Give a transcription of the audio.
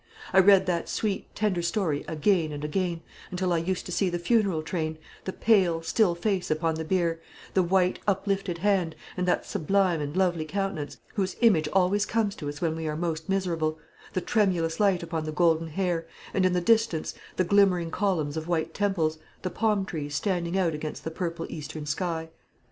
I read that sweet, tender story again and again, until I used to see the funeral train, the pale, still face upon the bier, the white, uplifted hand, and that sublime and lovely countenance, whose image always comes to us when we are most miserable, the tremulous light upon the golden hair, and in the distance the glimmering columns of white temples, the palm trees standing out against the purple Eastern sky.